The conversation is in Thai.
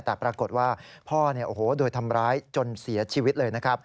แต่ปรากฏว่าพ่อโดยทำร้ายจนเสียชีวิตเลยนะครับ